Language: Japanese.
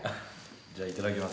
じゃあいただきます。